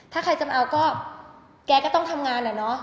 ถ้าใครจะมาเอาก็แกก็ต้องทำงานอะเนาะ